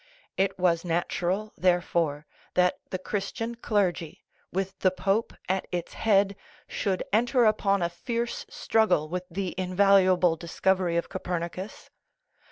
It was natural, therefore, that the Christian clergy, with the pope at its head, should enter upon a fierce struggle with the invaluable discovery of Copernicus.